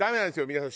皆さん。